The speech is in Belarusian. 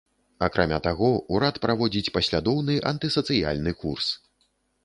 Акрамя таго, урад праводзіць паслядоўны антысацыяльны курс.